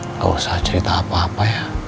nggak usah cerita apa apa ya